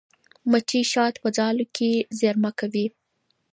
مچۍ شات په ځالو کې زېرمه کوي.